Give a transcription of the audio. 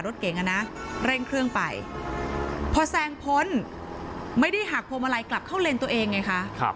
รถเก่งอ่ะนะเร่งเครื่องไปพอแซงพ้นไม่ได้หักพวงมาลัยกลับเข้าเลนตัวเองไงคะ